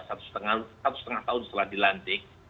satu setengah tahun setelah dilantik